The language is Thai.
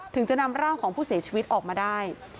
ถึงจะนำร่างของผู้เสียชีวิตออกมาได้